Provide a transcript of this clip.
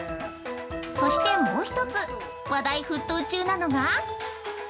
そしてもう一つ話題沸騰中なのが。